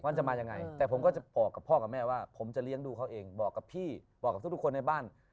มันจะมายังไงแต่ผมก็จะบอกกับพ่อกับแม่ว่าผมจะเลี้ยงดูเขาเองบอกกับพี่บอกกับทุกคนในบ้าน